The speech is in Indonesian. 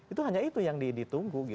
itu hanya itu yang ditunggu gitu